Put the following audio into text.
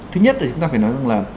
thứ nhất là chúng ta phải nói rằng là